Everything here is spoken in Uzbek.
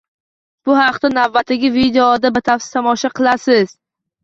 Bu haqda navbatdagi videoda batafsil tomosha qilasiz.